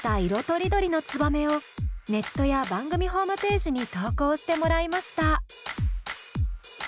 とりどりの「ツバメ」をネットや番組ホームページに投稿してもらいました。